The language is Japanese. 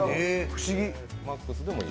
不思議。